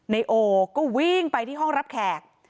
นายโอก็วิ่งไปที่ห้องรับแขก